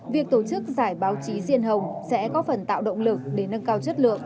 việc tổ chức giải báo chí diên hồng sẽ có phần tạo động lực để nâng cao chất lượng